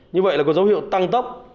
như vậy là có dấu hiệu tăng tốc